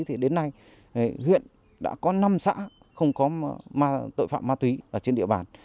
thì đến nay huyện đã có năm xã không có tội phạm ma túy ở trên địa bàn